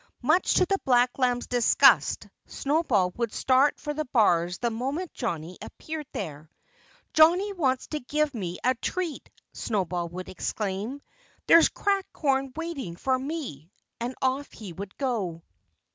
Much to the black lamb's disgust Snowball would start for the bars the moment Johnnie appeared there. "Johnnie wants to give me a treat!" Snowball would exclaim. "There's cracked corn waiting for me!" And off he would go.